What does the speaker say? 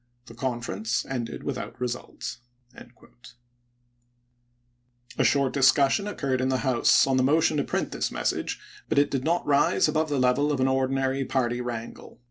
ms. The conference ended without result. "Globe," A short discussion occurred in the House on the pp. 730 735.' motion to print this message, but it did not rise above the level of an ordinary party wrangle.